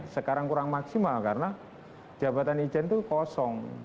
sekarang kurang maksimal karena jabatan ijen itu kosong